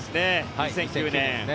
２００９年。